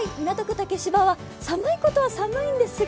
竹芝は寒いことは寒いんですが